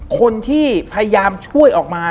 คนที่พยายามช่วยออกมา